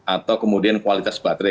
atau kemudian kualitas baterai